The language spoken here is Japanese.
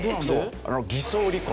偽装離婚。